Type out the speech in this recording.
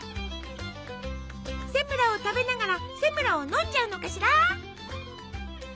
セムラを食べながらセムラを飲んじゃうのかしら！？